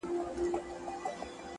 o انساني احساسات زخمي کيږي سخت,